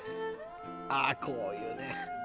ああこういうね。